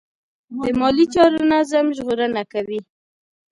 د مالي چارو نظم ژغورنه کوي.